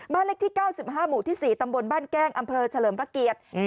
เลขที่๙๕หมู่ที่๔ตำบลบ้านแก้งอำเภอเฉลิมพระเกียรติ